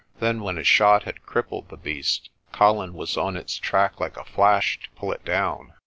Then, when a shot had crippled the beast, Colin was on its track like a flash to pull it down.